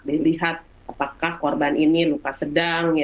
dilihat apakah korban ini luka sedang